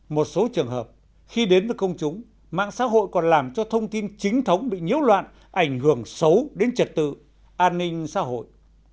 một số trường hợp khi đến với công chúng mạng xã hội còn làm cho thông tin chính thống bị nhiễu loạn ảnh hưởng xấu đến trật tự an ninh xã hội